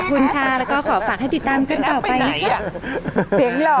ขอบคุณทาแล้วก็ขอฝากให้ติดตามเจ้าต่อไปแอปไปไหนอ่ะ